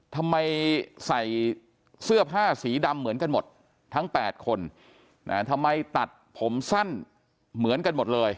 ทำไมใส่เสื้อผ้าสีดำเหมือนกันหมดทั้ง๘คนทำไมตัดผมสั้นเหมือนกันหมดเลย